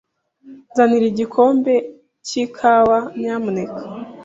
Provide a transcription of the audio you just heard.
Nzanira igikombe cy'ikawa, nyamuneka.